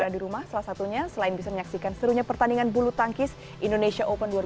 ada di rumah salah satunya selain bisa menyaksikan serunya pertandingan bulu tangkis indonesia open